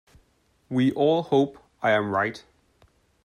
We all hope I am right.